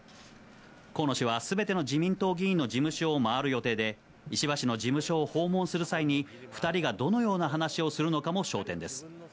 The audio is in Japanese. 河野氏は、すべての自民党議員の事務所を回る予定で、石破氏の事務所を訪問する際に、２人がどのような話をするのかも焦点です。